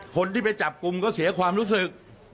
คนที่ไปจับกลุ่มก็เสียความรู้สึก